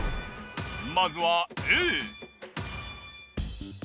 まずはＡ。